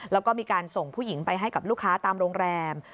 แล้วก็มีการส่งผู้หญิงไปให้กับลูกค้าตามโรงแรม